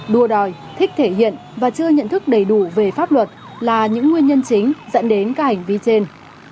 đua đòi thích thể hiện và chưa nhận thức đầy đủ về pháp luật là những nguyên nhân chính dẫn đến các hành vi trên